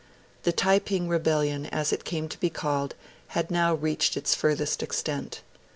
The Taiping Rebellion, as it came to be called, had now reached its furthest extent.